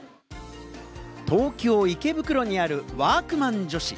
東京・池袋にある「＃ワークマン女子」。